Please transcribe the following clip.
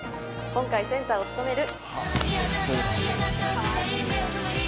今回、センターを務める。